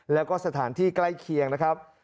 แล้วก็สถานที่ใกล้เคียงนะครับ